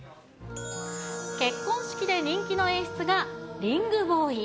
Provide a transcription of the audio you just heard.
結婚式で人気の演出がリングボーイ。